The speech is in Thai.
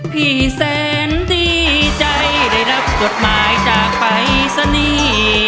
พี่แสนดีใจได้รับจดหมายจากไปสนี